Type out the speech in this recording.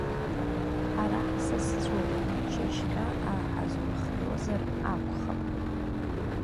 Ҳара ҳсасцәоуп, шьыжьхьа ааҳазурхиозар акәхап?